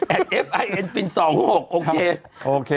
แอดเอฟไอเอ็นฟินสองห้วงหกโอเค